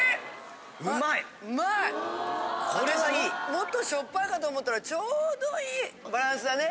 もっとしょっぱいかと思ったらちょうどいいバランスだね。